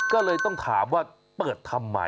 ก็เลยต้องถามว่าเปิดทำไม